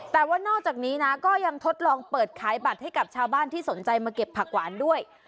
แต่ว่านอกจากนี้นะก็ยังทดลองเปิดขายบัตรให้กับชาวบ้านที่สนใจมาเก็บผักหวานด้วย